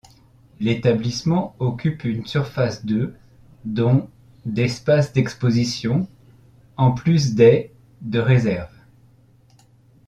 L'établissement occupe une surface de dont d'espaces d'exposition, en plus des de réserve.